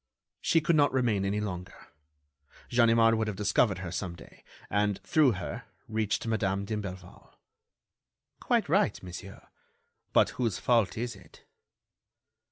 "She could not remain any longer. Ganimard would have discovered her some day, and, through her, reached Madame d'Imblevalle." "Quite right, monsieur; but whose fault is it?"